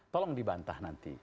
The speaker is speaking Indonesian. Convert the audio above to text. tolong dibantah nanti